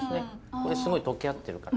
これすごい溶け合ってるから。